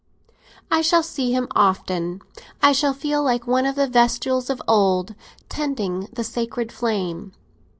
"I shall see him often; I shall feel like one of the vestals of old, tending the sacred flame."